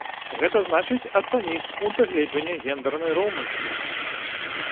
Гэта значыць, ацаніць з пункта гледжання гендэрнай роўнасці.